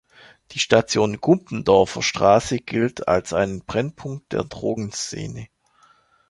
Die Station Gumpendorfer Straße gilt als ein Brennpunkt der Drogenszene.